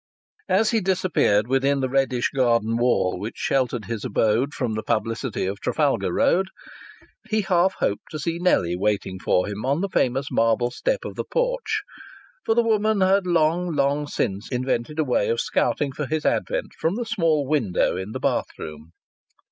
As he disappeared within the reddish garden wall which sheltered his abode from the publicity of Trafalgar Road, he half hoped to see Nellie waiting for him on the famous marble step of the porch, for the woman had long, long since invented a way of scouting for his advent from the small window in the bathroom.